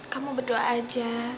kamu berdoa aja